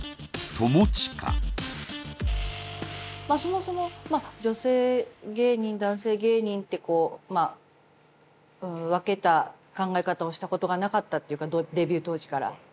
まあそもそも女性芸人男性芸人ってこうまあ分けた考え方をしたことがなかったっていうかデビュー当時から。